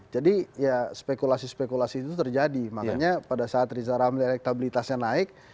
jadi ya spekulasi spekulasi itu terjadi makanya pada saat riza ramli elektabilitasnya naik